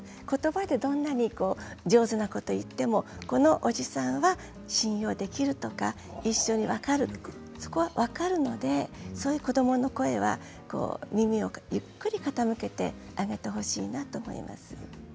ことばでどんなに上手なことを言っていてもこのおじさんは信用できるとかそこは分かるのでそういう子どもの声には耳をゆっくり傾けてあげてほしいなと思います。